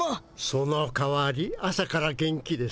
そのかわり朝から元気です。